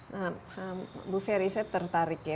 nah bu ferry saya tertarik ya